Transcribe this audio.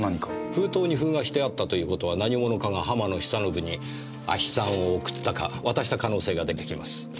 封筒に封がしてあったという事は何者かが浜野久信に亜ヒ酸を送ったか渡した可能性が出てきます。